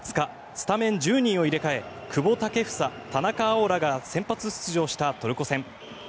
スタメン１０人を入れ替え久保建英、田中碧らが先発出場したトルコ戦。